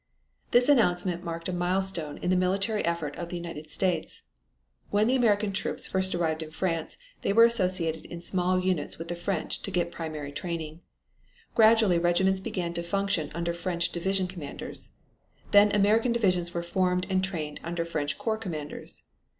This announcement marked a milestone in the military effort of the United States. When the American troops first arrived in France, they were associated in small units with the French to get primary training. Gradually regiments began to function under French division commanders. Then American divisions were formed and trained under French corps commanders.